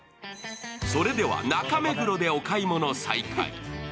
それでは、中目黒でお買い物再開